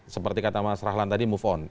seperti kata mas rahlan tadi move on